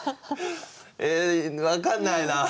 ええ分かんないな。